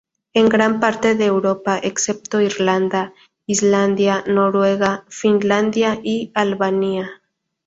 En gran parte de Europa, excepto Irlanda, Islandia, Noruega, Finlandia y Albania.